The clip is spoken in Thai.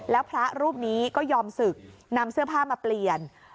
แล้วพระรูปนี้ก็ยอมศึกนำเสื้อผ้ามาเปลี่ยน